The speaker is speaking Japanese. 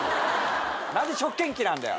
何で食券機なんだよ。